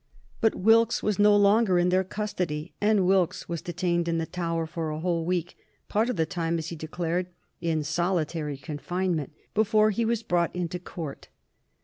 But Wilkes was no longer in their custody, and Wilkes was detained in the Tower for a whole week, part of the time, as he declared, in solitary confinement, before he was brought into court.